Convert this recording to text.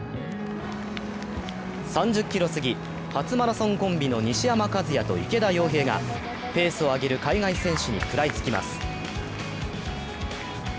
３０ｋｍ過ぎ、初マラソンコンビの西山和弥と池田耀平がペースを上げる海外選手に食らいつきます。